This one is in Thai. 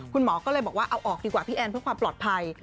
คุณหมอก็เลยบอกว่าเอาออกดีกว่าพี่แอนเพื่อความปลอดภัย